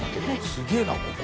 すげえな、ここ。